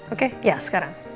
oke ya sekarang